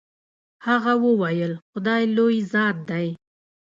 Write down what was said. هغه وويل خداى لوى ذات دې.